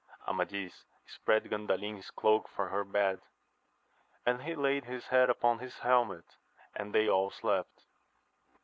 Amadis spread Gandalin's cloak for her bed, and he laid his head upon his helmet, and they all slept.